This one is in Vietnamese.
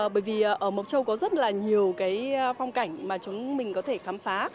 bởi vì ở mộc châu có rất là nhiều cái phong cảnh mà chúng mình có thể khám phá